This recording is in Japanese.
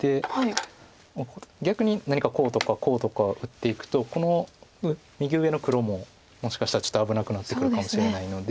逆に何かこうとかこうとか打っていくとこの右上の黒ももしかしたらちょっと危なくなってくるかもしれないので。